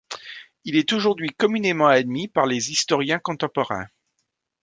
Il est aujourd'hui communément admis par les historiens contemporains.